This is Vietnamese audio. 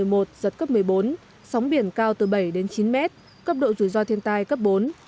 sức gió mạnh nhất ở vùng gần tâm bão mạnh cấp một mươi một giật cấp một mươi bốn sóng biển cao từ bảy đến chín mét cấp độ rủi ro thiên tai cấp bốn